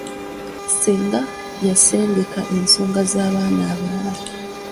Ssenga y’asengeka ensonga z’abaana abawala.